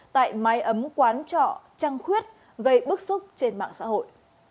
tại mái ấm quán trọ trăng khuyết gây bức xúc trên mạng xã hội